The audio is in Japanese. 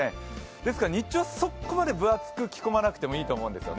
ですから日中はそこまで分厚く着こまなくてもいいと思うんですね。